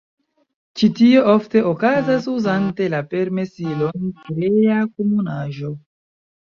Ĉi tio ofte okazas uzante la permesilon Krea Komunaĵo.